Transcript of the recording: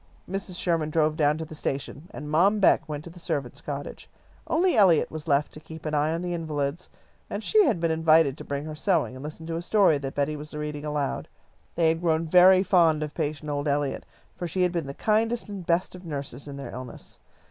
Mrs. Sherman drove down to the station, and Mom Beck went to the servants' cottage. Only Eliot was left to keep an eye on the invalids, and she had been invited to bring her sewing and listen to a story that Betty was reading aloud. They had grown very fond of patient old Eliot, for she had been the kindest and best of nurses in their illness.